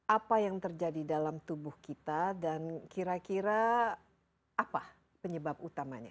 apa yang terjadi dalam tubuh kita dan kira kira apa penyebab utamanya